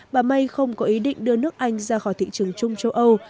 bà may không có ý định đưa nước anh ra khỏi thị trường chung châu âu